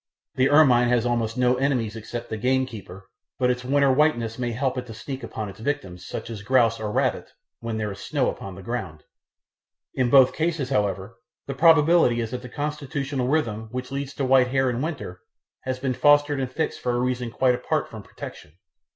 The ermine has almost no enemies except the gamekeeper, but its winter whiteness may help it to sneak upon its victims, such as grouse or rabbit, when there is snow upon the ground. In both cases, however, the probability is that the constitutional rhythm which leads to white hair in winter has been fostered and fixed for a reason quite apart from protection.